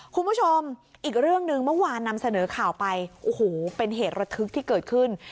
คุณผู้ชมอีกเรื่องหนึ่งเมื่อวานนำเสนอข่าวไปโอ้โหเป็นเหตุระทึกที่เกิดขึ้น